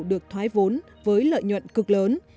được thoái vốn với lợi nhuận cực lớn